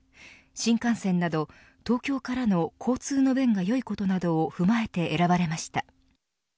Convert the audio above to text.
新幹線など東京からの交通の便がよいことなどを踏まえて選ばれました。